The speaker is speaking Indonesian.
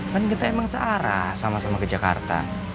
kan kita emang searah sama sama ke jakarta